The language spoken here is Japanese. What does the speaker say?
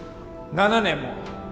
７年も！